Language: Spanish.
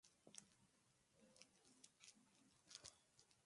El resto de la historia cuenta los detalles del juicio.